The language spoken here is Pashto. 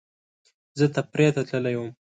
زه تفریح ته تللی وم